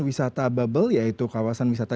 wisata bubble yaitu kawasan wisata